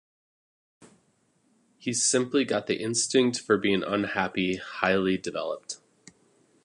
He's simply got the instinct for being unhappy highly developed.